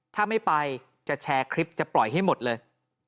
ถ้าไม่ไปจะแชร์คลิปจะปล่อยให้หมดเลย